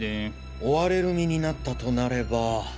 追われる身になったとなれば。